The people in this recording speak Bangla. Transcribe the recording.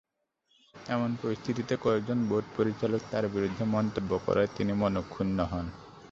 এমন পরিস্থিতিতে কয়েকজন বোর্ড পরিচালক তাঁর বিরুদ্ধে মন্তব্য করায় তিনি মনঃক্ষুণ্ন হন।